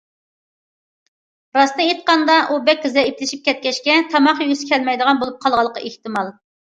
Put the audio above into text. راستىنى ئېيتقاندا ئۇ بەك زەئىپلىشىپ كەتكەچكە تاماق يېگۈسى كەلمەيدىغان بولۇپ قالغانلىقى ئېھتىمال.